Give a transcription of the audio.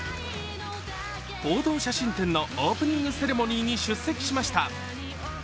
報道写真展のオープニングセレモニーに出席しました。